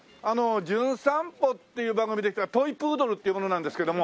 『じゅん散歩』っていう番組で来たトイプードルっていう者なんですけども。